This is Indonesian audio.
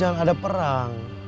jangan ada perang